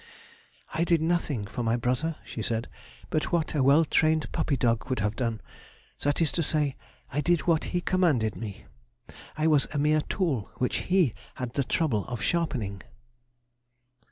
"I did nothing for my brother," she said, "but what a well trained puppy dog would have done: that is to say, I did what he commanded me. I was a mere tool which he had the trouble of sharpening."